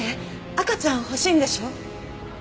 赤ちゃん欲しいんでしょ？